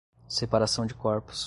separação de corpos